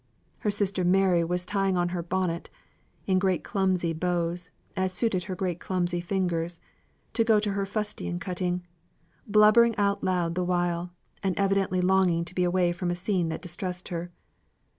Her sister Mary was tying on her bonnet (in great clumsy bows, as suited her great clumsy fingers), to go to her fustian cutting, blubbering out loud the while, and evidently longing to be away from a scene that distressed her.